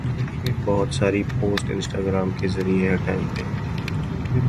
بہت ساری post Instagram کے ذریعہ ہٹائی گئی تھی